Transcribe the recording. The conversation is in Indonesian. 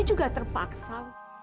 ai juga terpaksa